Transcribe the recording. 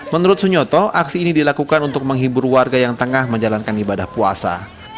menurut sunyoto aksi ini dilakukan untuk menghibur warga yang tengah menjalankan ibadah puasa